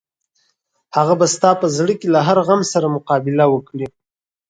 هغه به ستا په زړه کې له هر غم سره مقابله وکړي.